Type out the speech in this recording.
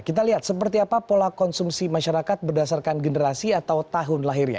kita lihat seperti apa pola konsumsi masyarakat berdasarkan generasi atau tahun lahirnya